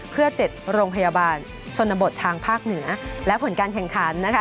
เพื่อ๗โรงพยาบาลชนบททางภาคเหนือและผลการแข่งขันนะคะ